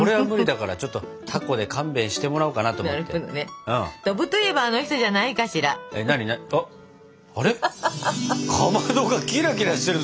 かまどがキラキラしてるぞ！